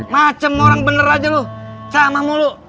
macem orang bener aja loh sama mulu